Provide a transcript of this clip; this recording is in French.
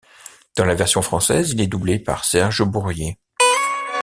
Dans la version Française, il est doublé par Serge Bourrier.